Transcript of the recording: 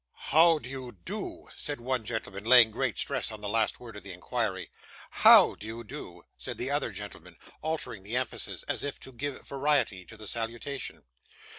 'How do you DO?' said one gentleman, laying great stress on the last word of the inquiry. 'HOW do you do?' said the other gentleman, altering the emphasis, as if to give variety to the salutation.